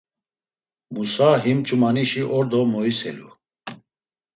Musa him ç̌umanişi ordo moiselu.